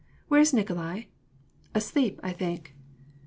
" Where is Nikolai ?"" Asleep, I think